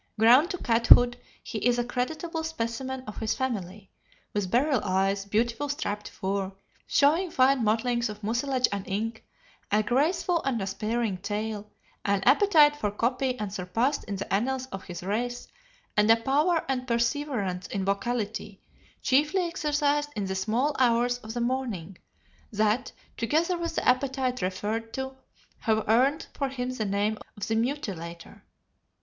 Grown to cat hood, he is a creditable specimen of his family, with beryl eyes, beautiful striped fur, showing fine mottlings of mucilage and ink, a graceful and aspiring tail, an appetite for copy unsurpassed in the annals of his race, and a power and perseverance in vocality, chiefly exercised in the small hours of the morning, that, together with the appetite referred to, have earned for him the name of the Mutilator.